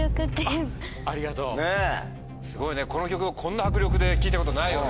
すごいねこの曲をこんな迫力で聴いたことないよね。